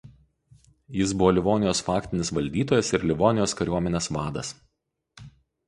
Jis buvo Livonijos faktinis valdytojas ir Livonijos kariuomenės vadas.